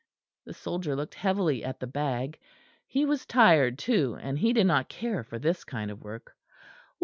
The soldier looked heavily at the bag. He was tired too; and he did not care for this kind of work.